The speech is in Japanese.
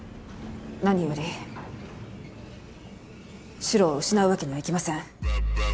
何より獅郎を失うわけにはいきません。